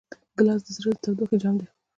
ګیلاس د زړه د تودوخې جام دی.